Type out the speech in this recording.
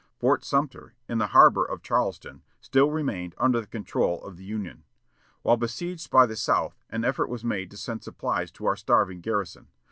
Fort Sumter, in the harbor of Charleston, still remained under the control of the Union. While besieged by the South, an effort was made to send supplies to our starving garrison.